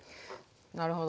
なるほど。